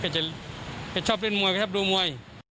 เขาจะชอบเล่นมวยเขาจะชอบดูมวย